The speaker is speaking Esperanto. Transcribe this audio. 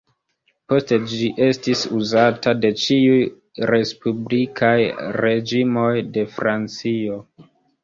Poste ĝi estis uzata de ĉiuj respublikaj reĝimoj de Francio.